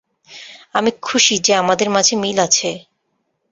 আমি খুশি যে আমাদের মাঝে মিল আছে।